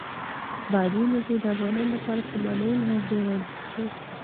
بادي انرژي د افغانانو لپاره په معنوي لحاظ ډېر ارزښت لري.